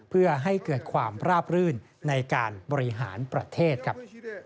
เพื่อให้เกิดความราบรื่นในการบริหารประเทศครับ